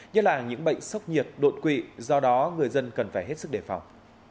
nhất là những bệnh sốc nhiệt đột quỵ do đó người dân cần phải hết sức đề phòng